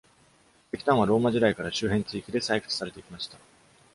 石炭はローマ時代から周辺地域で採掘されてきました。